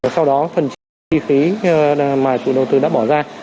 sau đó phần chi phí mà chủ đầu tư đã bỏ ra